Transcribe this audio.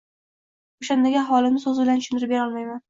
O`shandagi ahvolimni so`z bilan tushuntirib berolmayman